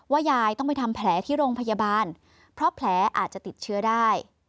ยายต้องไปทำแผลที่โรงพยาบาลเพราะแผลอาจจะติดเชื้อได้